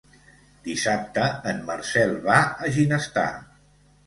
Dissabte en Marcel va a Ginestar.